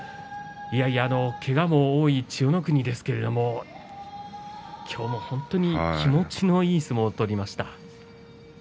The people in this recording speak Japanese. けがも多い千代の国ですけれど今日も本当に気持ちのいい相撲を取りました。